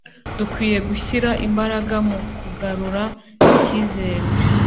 Dukwiye gushyira imbaraga mu kugarura icyizere